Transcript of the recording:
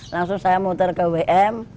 langsung saya muter ke wm